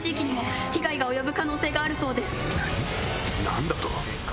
何⁉何だと！